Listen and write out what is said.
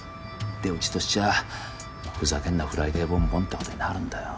でうちとしちゃふざけんな「フライデーボンボン」ってことになるんだよ。